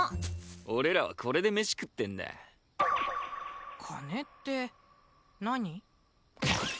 俺らはこれで飯食ってんだ金って何？